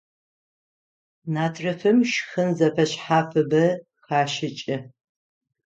Натрыфым шхын зэфэшъхьафыбэ хашӀыкӀы.